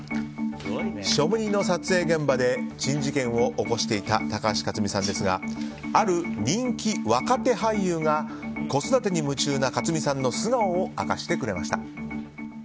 「ショムニ」の撮影現場で珍事件を起こしていた高橋克実さんですがある人気若手俳優が子育てに夢中な克実さんの素顔を明かしてくれました。